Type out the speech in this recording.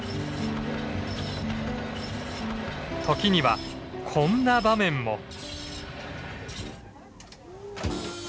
時にはこんな場面も。